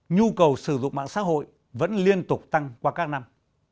nhu cầu sử dụng mạng xã hội vẫn liên tục tăng qua các năm